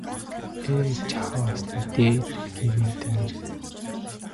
Ээ чааваас дээдийн гэгээнтэн минь!